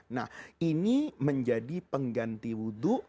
nah ini menjadi pengganti wudhu